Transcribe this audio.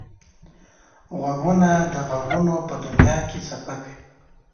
غوږونه د غږونو په دنیا کې سفر کوي